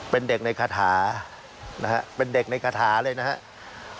เป็นเด็กในคาถานะฮะเป็นเด็กในคาถาเลยนะครับ